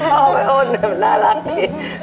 ชอบไอ้โอ้นเนี่ยมันน่ารักดิ